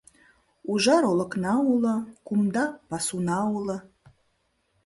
Ужар олыкна уло, кумда пасуна уло